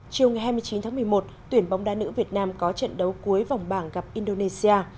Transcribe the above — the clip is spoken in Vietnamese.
chiều ngày hai mươi chín tháng một mươi một tuyển bóng đá nữ việt nam có trận đấu cuối vòng bảng gặp indonesia